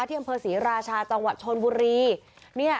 ที่อำเภอศรีราชาจังหวัดชนบุรี